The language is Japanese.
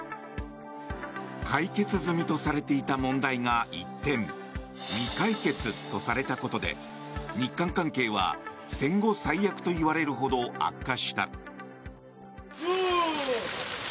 解決済みとされていた問題が一転未解決とされたことで日韓関係は戦後最悪といわれるほど悪化した。